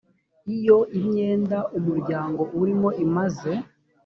lyo imyenda umuryango urimo imaze